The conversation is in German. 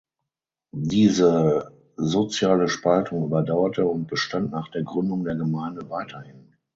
Diese soziale Spaltung überdauerte und bestand nach der Gründung der Gemeinde weiterhin.